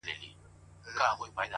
کيسه د ټولني نقد دی ښکاره,